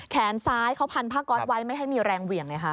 แขนซ้ายเขาพันผ้าก๊อตไว้ไม่ให้มีแรงเหวี่ยงเลยค่ะ